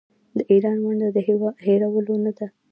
د ایران ونډه د هیرولو نه ده.